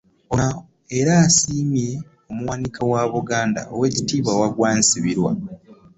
Ono era asiimye omuwanika wa Buganda, Oweekitiibwa Waggwa Nsibirwa